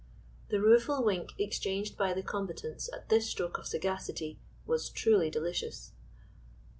The rueful wink exchanged by the combatants at this stroke of sagacity was truly delicious.